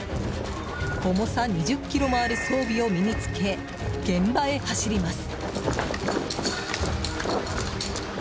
重さ２０ｋｇもある装備を身に着け、現場へ走ります。